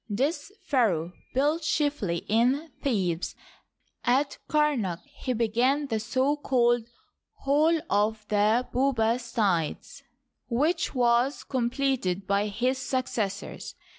This pharaoh built chiefly in Thebes. At Kamak he began the so called " Hall of the Bubastides," which was completed by his successors.